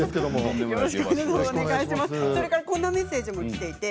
こんなメッセージもあります。